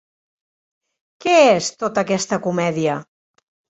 Què és tota aquesta comèdia?